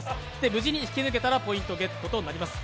無事に引き抜けたらポイントゲットとなります。